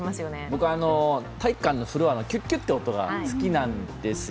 僕は体育館のフロアのキュッキュッという音が好きなんですよ。